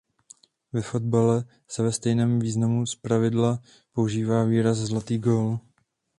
Ve fotbale se ve stejném významu zpravidla používá výraz zlatý gól.